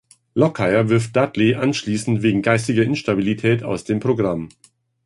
Lockyer wirft Dudley anschließend wegen geistiger Instabilität aus dem Programm.